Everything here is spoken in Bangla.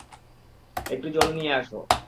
একটু জল নিয়ে আসো!